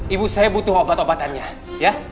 ibu saya butuh obat obatannya ya